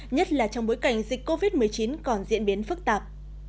nhất là trong bối cảnh dịch covid một mươi chín còn diễn biến phức tạp